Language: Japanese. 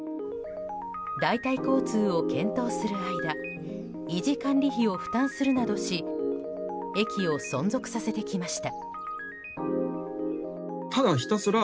代替交通を検討する間維持管理費を負担するなどし駅を存続させてきました。